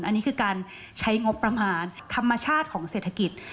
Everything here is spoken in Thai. อันนี้คือการใช้งบประมาณธรรมชาติของเศรษฐกิจ